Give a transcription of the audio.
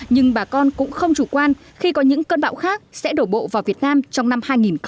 nhưng bà con cũng không chủ quan khi có những cơn bão khác sẽ đổ bộ vào việt nam trong năm hai nghìn hai mươi